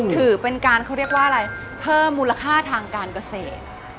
ถือเป็นการเขาเรียกว่าอะไรเพิ่มมูลค่าทางการเกษตร